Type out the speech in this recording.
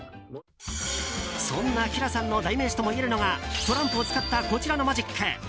そんなＫｉＬａさんの代名詞ともいえるのがトランプを使ったこちらのマジック。